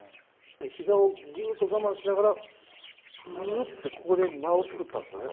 ひざをぐーっと我慢しながら、うーってここで間を作ったんですよね。